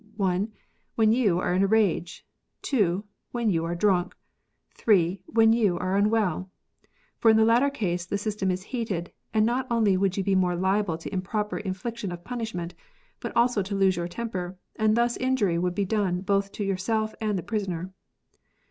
(1.) When you are in a rage. (2.) When you are drunk. (3.) When you are unwell. [For in the latter case the system is heated, and not only would you be more liable to improper infliction of punishment, but also to lose your temper ; and thus injury would be done both to yourself and the prisoner.